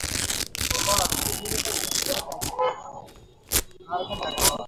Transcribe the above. থামবি না, যেতে থাক।